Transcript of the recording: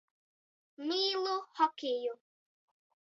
M?lu hokeju